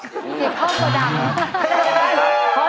เก็บข้องกัวดัง